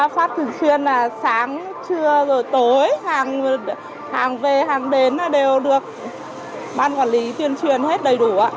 phát thường xuyên là sáng trưa rồi tối hàng về hàng đến đều được ban quản lý tuyên truyền hết đầy đủ